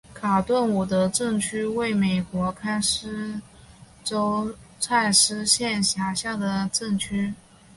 卡顿伍德镇区为美国堪萨斯州蔡斯县辖下的镇区。